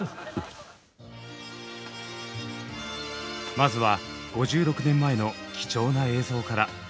まずは５６年前の貴重な映像から。